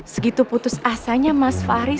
segitu putus asanya mas fahri